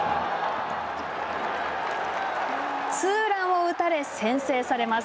ツーランを打たれ先制されます。